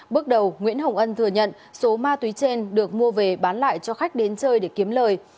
bước đầu nguyễn hồng ân thừa nhận số ma túy trên được mua về bán lại cho khách đến chơi để kiếm lời